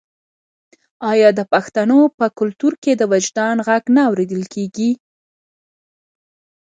آیا د پښتنو په کلتور کې د وجدان غږ نه اوریدل کیږي؟